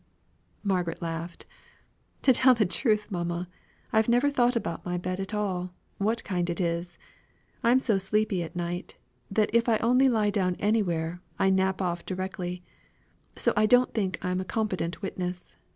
Margaret laughed. "To tell the truth, mamma, I've never thought about my bed at all, what kind it is. I'm so sleepy at night, that if I only lie down anywhere, I nap off directly. So I don't think I'm a competent witness.